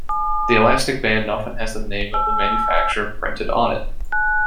The elastic band often has the name of the manufacturer printed on it.